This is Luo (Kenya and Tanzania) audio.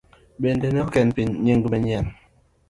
Bende ne ok en nying manyien.